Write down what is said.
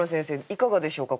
いかがでしょうか？